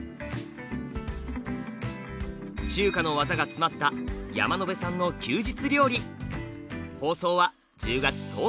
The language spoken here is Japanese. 中華の技が詰まった山野辺さんの休日料理。